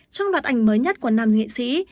trong đoạt ảnh mới nhất của nam nghệ sĩ